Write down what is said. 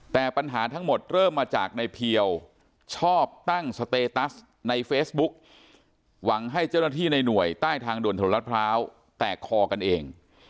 แต่ปัญหาทั้งหมดเริ่มมาจากในเพียวชอบตั้งสเตตัสในเฟซบุ๊กหวังให้เจ้าหน้าที่ในหน่วยใต้ทางด่วนถนนรัฐพร้าวแตกคอกันเอง